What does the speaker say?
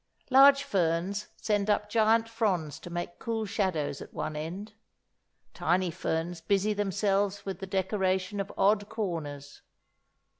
Large ferns send up giant fronds to make cool shadows at one end. Tiny ferns busy themselves with the decoration of odd corners.